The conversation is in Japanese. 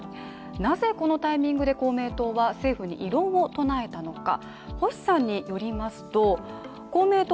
なぜこのタイミングで公明党は政府に異論を唱えたのか。